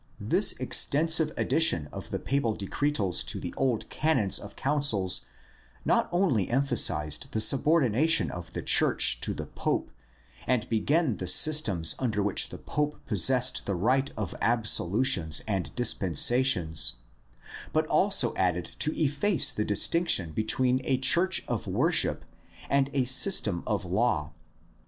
This extensive addition of the papal decretals to the old canons of councils not only emphasized the sub ordination of the church to the pope and began the systems under which the pope possessed the right of absolutions and dispensations, but also tended to efface the distinction between a church of worship and a system of law.